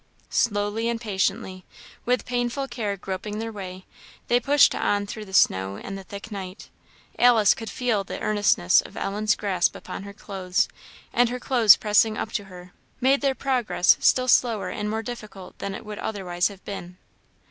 Slowly and patiently, with painful care groping their way, they pushed on through the snow and the thick night. Alice could feel the earnestness of Ellen's grasp upon her clothes; and her clothes pressing up to her, made their progress still slower and more difficult than it would otherwise have been.